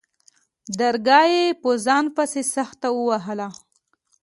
درگاه يې په ځان پسې سخته ووهله.